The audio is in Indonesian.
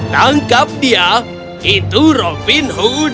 tangkap dia itu robin hood